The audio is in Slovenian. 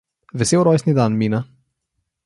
Vesel rojstni dan Mina!